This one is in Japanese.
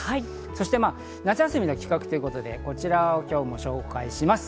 そして夏休みの企画ということで、こちらを今日も紹介します。